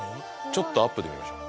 ちょっとアップで見ましょう。